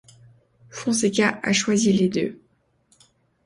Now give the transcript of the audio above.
Fonseca a choisi les deux.